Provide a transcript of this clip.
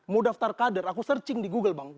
mau daftar kader aku searching di google bang